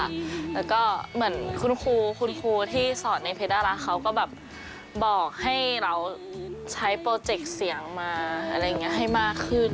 แล้วก็เหมือนคุณครูคุณครูที่สอนในเพดาราเขาก็แบบบอกให้เราใช้โปรเจกต์เสียงมาอะไรอย่างนี้ให้มากขึ้น